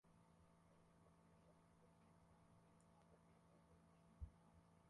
Ni mpango wa tatu wa maendeleo ya Taifa wa miaka mitano